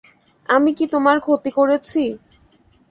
আমি কি তোমার ক্ষতি করেছি?